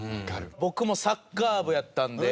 僕もサッカー部やったんで。